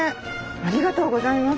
ありがとうございます。